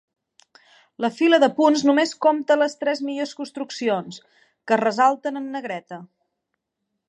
La fila de punts només compta les tres millors construccions, que es ressalten en negreta.